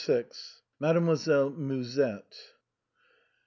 MADEMOISELLE MUSETTE.